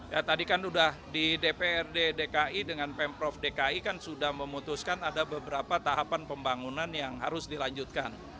ya tadi kan sudah di dprd dki dengan pemprov dki kan sudah memutuskan ada beberapa tahapan pembangunan yang harus dilanjutkan